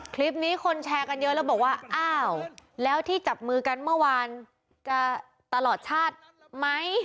คลิปนี้คนแชร์กันเยอะแล้วบอกว่าอ้าวแล้วที่จับมือกันเมื่อวานจะตลอดชาติไหม